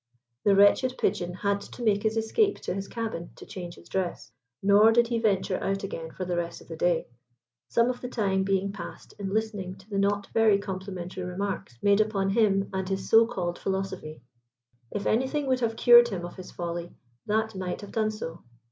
The wretched Pigeon had to make his escape to his cabin to change his dress, nor did he venture out again for the rest of the day, some of the time being passed in listening to the not very complimentary remarks made upon him and his so called philosophy. If anything would have cured him of his folly, that might have done so.